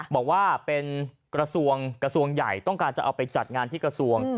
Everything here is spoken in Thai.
บอกว่าเป็นกระทรวงต้องการจะเอาไปจัดงานส่วนใหญ่ที่กระทรวง